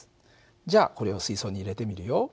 じゃあこれを水槽に入れてみるよ。